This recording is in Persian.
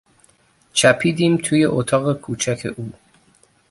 چپیدیم توی اتاق کوچک او